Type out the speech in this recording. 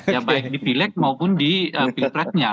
ya baik di pileg maupun di pilpresnya